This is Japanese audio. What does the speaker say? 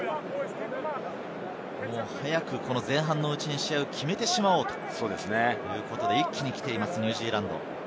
早く前半のうちに試合を決めてしまおうということで、一気に来ています、ニュージーランド。